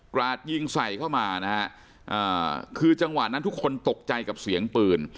ราดยิงใส่เข้ามานะฮะคือจังหวะนั้นทุกคนตกใจกับเสียงปืน